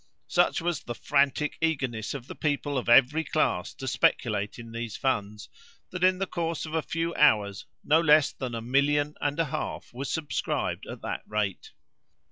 Such was the frantic eagerness of people of every class to speculate in these funds, that in the course of a few hours no less than a million and a half was subscribed at that rate.